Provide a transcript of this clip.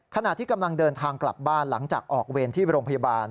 ขณะที่กำลังเดินทางกลับบ้านหลังจากออกเวรที่โรงพยาบาล